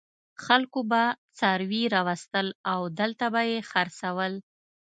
خلکو به څاروي راوستل او دلته به یې خرڅول.